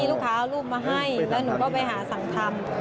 ลูกค้าเอารูปมาให้แล้วหนูก็ไปหาสั่งทำ